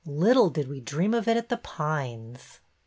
Little did we dream of it at The Pines